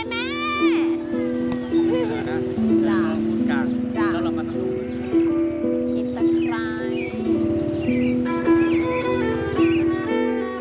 อินเตอร์ไครบ์